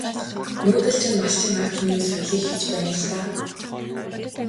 Нүүдэлчин малчин ард түмний соёлыг хэлж байна л даа.